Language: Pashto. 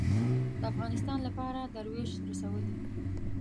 د افغانستان لپاره دروېش رسولې